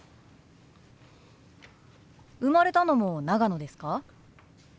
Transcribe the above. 生まれたのも長野ですか？